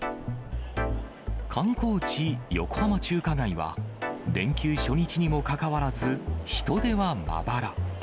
観光地、横浜中華街は、連休初日にもかかわらず、人出はまばら。